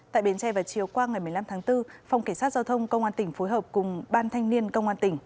tại bến tre và chiếu quang ngày một mươi năm tháng bốn phòng cảnh sát giao thông công an tỉnh phối hợp cùng ban thanh niên công an tỉnh